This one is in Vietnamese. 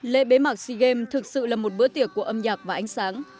lễ bế mạc sea games thực sự là một bữa tiệc của âm nhạc và ánh sáng